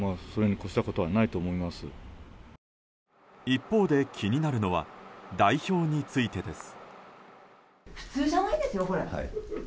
一方で、気になるのは代表についてです。